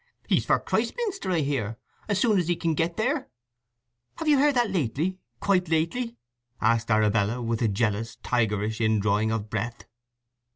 "He's for Christminster, I hear, as soon as he can get there." "Have you heard that lately—quite lately?" asked Arabella with a jealous, tigerish indrawing of breath.